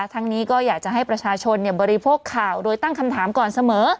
ทั้งนี้ก็อยากจะให้ประชาชนบริโภคข่าวโดยตั้งคำถามก่อนเสมอ